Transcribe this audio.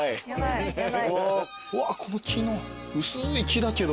うわこの木の薄い木だけど。